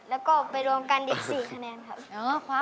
แล้วก็ไปรวมกันอีก๔คะแนนครับ